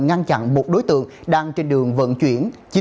ngăn chặn một đối tượng đang trên đường vận chuyển